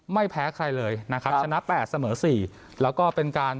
ไม่แพ้ใครเลยนะครับชนะ๘เสมอ๔และก็เป็นการ